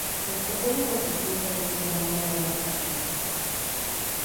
Les tocó la posición que ellos llamaron "Lomas Artísticas".